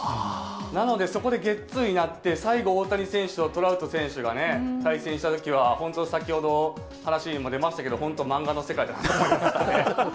なのでそこでゲッツーになって、最後、大谷選手とトラウト選手が対戦したときはね、本当、先ほど話にも出ましたけれども、本当、漫画の世界だと思いましたね。